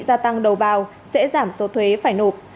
gia tăng đầu vào sẽ giảm số thuế phải nộp